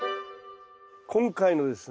今回のですね